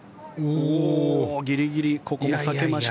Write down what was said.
ギリギリここも避けました。